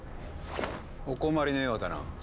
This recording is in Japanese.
お困りのようだな。